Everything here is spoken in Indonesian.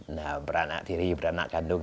nah beranak tiri beranak kandung